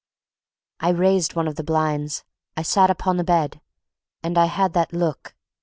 I raised one of the blinds, I sat upon the bed, and I had that look.